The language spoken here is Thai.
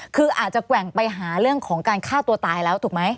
คืออาจจะแกว่งไปหาเรื่องของการฆ่าตัวตายแล้วถูกไหม